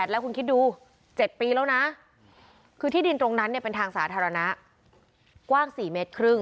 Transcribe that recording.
แล้วคุณคิดดู๗ปีแล้วนะคือที่ดินตรงนั้นเป็นทางสาธารณะกว้าง๔เมตรครึ่ง